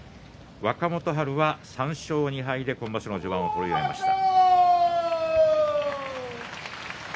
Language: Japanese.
若元春は３勝２敗で今場所の序盤を終わりました。